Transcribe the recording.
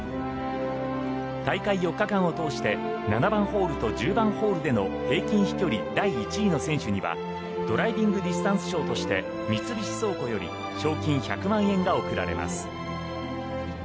大会４日間を通して７番ホールと１０番ホールでの平均飛距離第１位の選手にはドライビングディスタンス賞として三菱倉庫より賞金１００万円が贈られます。